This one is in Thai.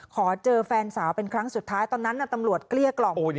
ขอเจอแฟนสาวเป็นครั้งสุดท้ายตอนนั้นตำรวจเกลี้ยกล่อม